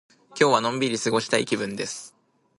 今日はのんびり過ごしたい気分です。